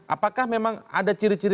apakah memang ada ciri ciri